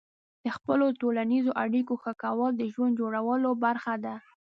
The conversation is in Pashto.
د خپلو ټولنیزو اړیکو ښه کول د ژوند جوړولو برخه ده.